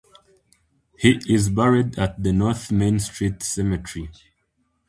He is buried at the North Main Street Cemetery.